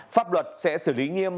pháp luật sẽ xử lý nghiêm